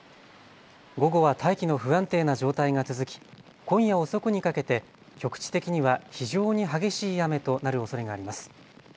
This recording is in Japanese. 午後は大気の不安定な状態が続き今夜遅くにかけて局地的には非常に激しい雨となるおそれがあります。